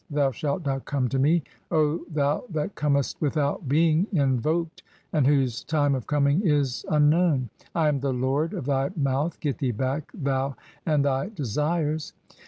Thou "shalt not come to me, O thou that comest 1 without being in "voked, and whose [time of coming] is unknown. I am the lord "of thy mouth, get thee back (3), thou and thy desires